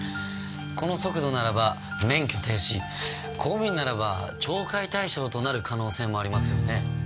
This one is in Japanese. この速度ならば免許停止公務員ならば懲戒対象となる可能性もありますよね。